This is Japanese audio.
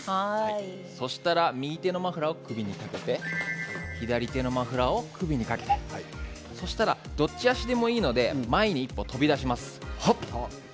そうしたら右手のマフラーを首にかけて左手のマフラーを首にかけてそしたらどっち足でもいいので前に一歩、飛び出します。